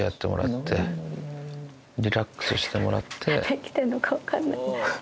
できてんのか分かんない。